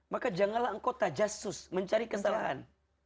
maka janganlah anggota jasus mencari kesalahan